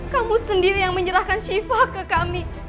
kamu sendiri yang menyerahkan shiva ke kami